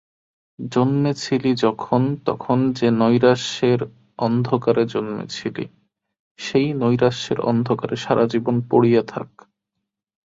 জন্মেছিলি যখন, তখন যে-নৈরাশ্যের অন্ধকারে জন্মেছিলি, সেই নৈরাশ্যের অন্ধকারে সারাজীবন পড়িয়া থাক্।